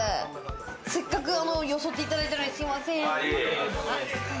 せっかくよそっていただいたのにすみません。